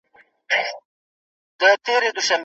لور د ژوند په هره شېبه کي د مهربانۍ او شفقت درس ورکوي